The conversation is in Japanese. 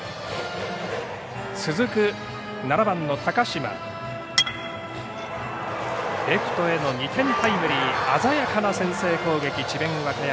続く７番の高嶋レフトへの２点タイムリー鮮やかな先制攻撃、智弁和歌山。